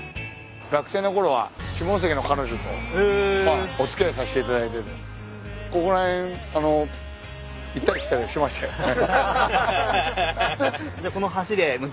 学生のころは下関の彼女とお付き合いさせていただいててここら辺あの行ったり来たりはしてましたよね。